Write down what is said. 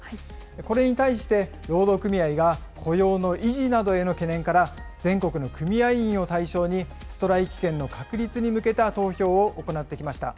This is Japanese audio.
これに対して、労働組合が雇用の維持などへの懸念から、全国の組合員を対象に、ストライキ権の確立に向けた投票を行ってきました。